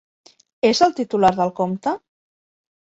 És el titular del compte?